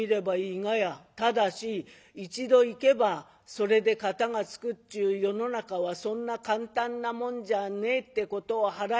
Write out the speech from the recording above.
ただし一度行けばそれで片がつくっちゅう世の中はそんな簡単なもんじゃねえってことを腹へ持って」。